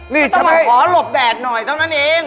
นี่ต้องมาขอหลบแดดหน่อยเท่านั้นเอง